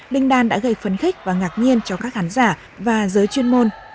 linh đan đã gây phấn khích và ngạc nhiên cho các khán giả và giới chuyên môn